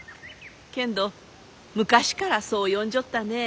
けんど昔からそう呼んじょったね。